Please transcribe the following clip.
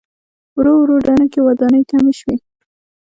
ورو ورو دنګې ودانۍ کمې شوې.